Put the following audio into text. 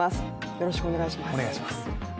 よろしくお願いします。